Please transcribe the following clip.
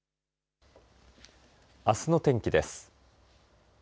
あすの天気です。